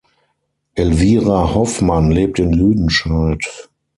Elvira Hoffmann lebt in Lüdenscheid.